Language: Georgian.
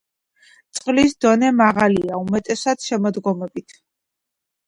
წყლის დონე მაღალია უმეტესად შემოდგომობით.